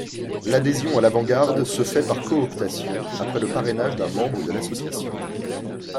L'adhésion à L'Avant-Garde se fait par cooptation après le parrainage d'un membre de l'association.